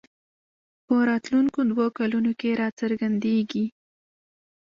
په راتلونکو دوو کلونو کې راڅرګندېږي